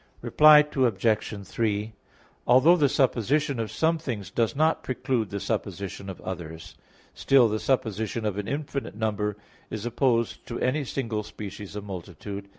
Reply Obj. 3: Although the supposition of some things does not preclude the supposition of others, still the supposition of an infinite number is opposed to any single species of multitude.